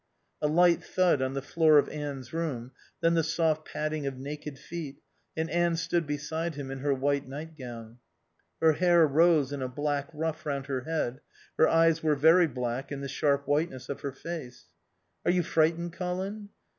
A light thud on the floor of Anne's room, then the soft padding of naked feet, and Anne stood beside him in her white nightgown. Her hair rose in a black ruff round her head, her eyes were very black in the sharp whiteness of her face. "Are you frightened, Colin?"